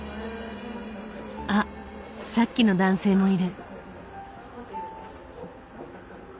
あっさっきの男性もいる。